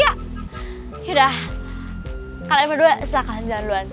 yaudah kalian berdua silahkan jalan duluan